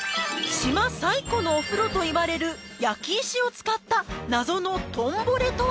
島最古のお風呂といわれる焼き石を使った謎の「トンボレ」とは！？